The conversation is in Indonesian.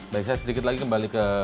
baik saya sedikit lagi kembali ke